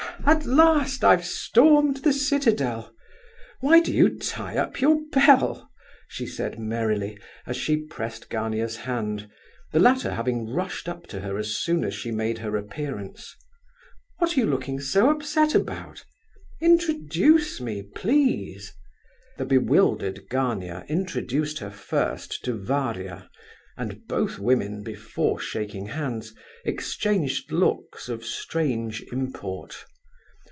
"At last I've stormed the citadel! Why do you tie up your bell?" she said, merrily, as she pressed Gania's hand, the latter having rushed up to her as soon as she made her appearance. "What are you looking so upset about? Introduce me, please!" The bewildered Gania introduced her first to Varia, and both women, before shaking hands, exchanged looks of strange import.